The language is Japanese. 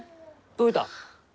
どういた？